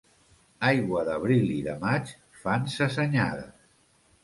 Aigua d'abril i de maig fan ses anyades.